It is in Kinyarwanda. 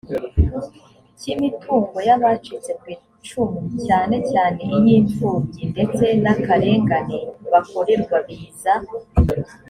cy imitungo y abacitse ku icumu cyane cyane iy imfubyi ndetse n akarengane bakorerwa biza